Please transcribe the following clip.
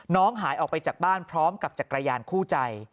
หายออกไปจากบ้านพร้อมกับจักรยานคู่ใจ